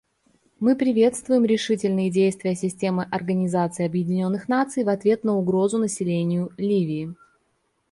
Мы приветствуем решительные действия системы Организации Объединенных Наций в ответ на угрозу населению Ливии.